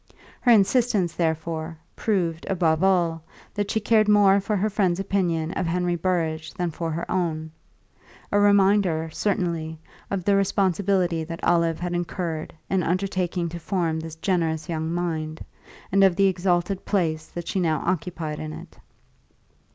Her insistence, therefore, proved, above all, that she cared more for her friend's opinion of Henry Burrage than for her own a reminder, certainly, of the responsibility that Olive had incurred in undertaking to form this generous young mind, and of the exalted place that she now occupied in it.